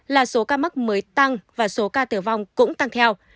là số ca mắc mới tăng và số ca tử vong cũng tăng theo